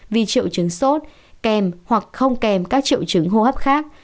vì triệu chứng sốt kem hoặc không kem các triệu chứng hô hấp khác